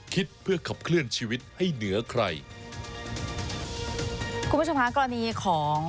คุณผู้ชมฮากรณีของ